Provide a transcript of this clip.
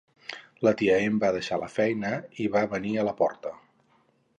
La tia Em va deixar la feina i va venir a la porta.